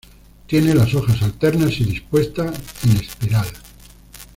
Tiene las hojas alternas y dispuestas en espiral.